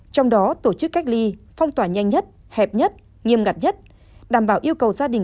trong đó tổ chức cách ly phong tỏa nhanh nhất hẹp nhất nghiêm ngặt nhất đảm bảo yêu cầu gia đình